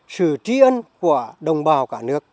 sự trí ân của đồng bào cả nước